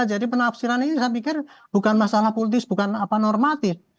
jadi penafsiran ini saya pikir bukan masalah politis bukan apa normatif